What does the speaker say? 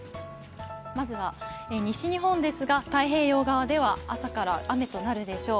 まずは西日本ですが、太平洋側では朝から雨となるでしょう。